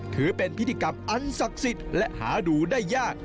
ถือเป็นพิธีกรรมอันศักดิ์สิทธิ์และหาดูได้ยาก